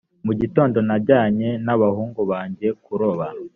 mu gitondo najyanye n abahungu banjye kuroba